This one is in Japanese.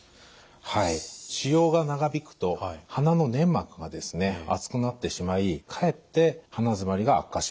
はい使用が長引くと鼻の粘膜がですね厚くなってしまいかえって鼻詰まりが悪化します。